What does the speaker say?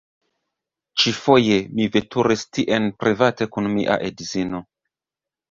Ĉifoje, mi veturis tien private kun mia edzino.